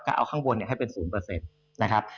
ก็เอาข้างบนให้เป็น๐นะครับ